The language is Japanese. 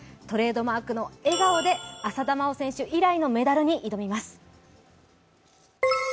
トレードマークの笑顔で浅田真央選手以来のメダルに挑みます。